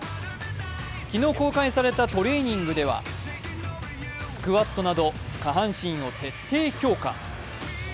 昨日公開されたトレーニングではスクワットなど下半身を徹底強化。